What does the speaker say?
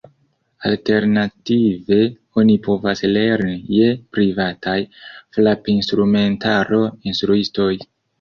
Alternative oni povas lerni je privataj frapinstrumentaro-instruistoj.